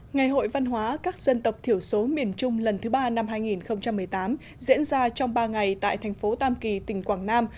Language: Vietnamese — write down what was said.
ngày hội văn hóa các dân tộc thiểu số miền trung lần thứ ba năm hai nghìn một mươi tám diễn ra trong ba ngày tại thành phố tam kỳ tỉnh quảng nam